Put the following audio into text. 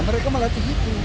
mereka melatih itu